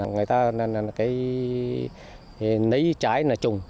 người ta lấy trái là chưa